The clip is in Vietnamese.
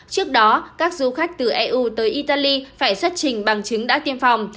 trước đó các du khách từ eu tới italy phải xuất trình bằng chứng đã tiêm phòng